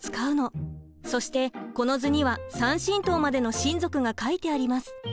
そしてこの図には３親等までの親族が書いてあります。